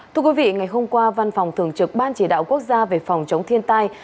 thưa quý vị ngày hôm qua văn phòng thường trực ban chỉ đạo quốc gia về phòng chống thiên tai